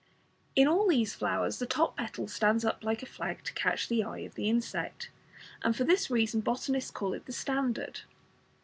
In all these flowers the top petal stands up like a flag to catch the eye of the insect, and for this reason botanists call it the "standard".